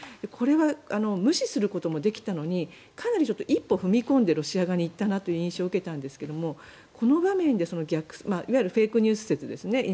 これは無視することもできたのにかなり一歩踏み込んでロシア側に言ったなという印象を受けたんですがこの場面でいわゆるフェイクニュース説ですね。